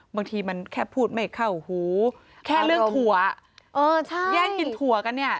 บางทีมันแค่พูดไม่เข้าหูแค่เรื่องถั่วเออใช่แย่งกินถั่วกันเนี่ย